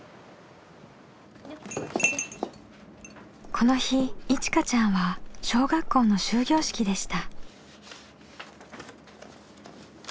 この日いちかちゃんは小学校の終業式でした。